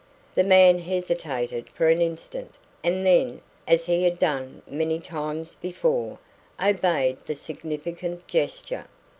The man hesitated for an instant, and then as he had done many times before obeyed the significant gesture.